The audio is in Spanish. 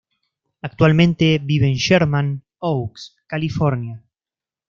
Actualmente vive en Sherman Oaks, California.